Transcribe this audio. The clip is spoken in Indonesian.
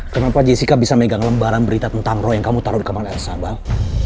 kenapa jessica bisa megang lembaran berita tentang roy yang kamu taruh di kamar elsa bang